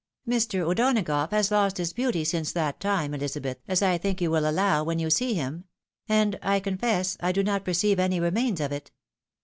"Mr. O'Donagough has lost his beauty since that time, Ehzabeth, as I think you will allow, when you see him ; and,. I confess, I do not perceive any remains of it.